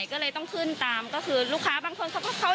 ก็ลดลงมาเหลือ๓กระทะ